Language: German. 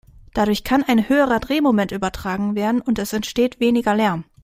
Dadurch kann ein höheres Drehmoment übertragen werden und es entsteht weniger Lärm.